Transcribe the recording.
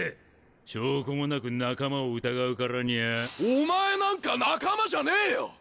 証拠もなく仲間を疑うからにゃあお前なんか仲間じゃねえよ！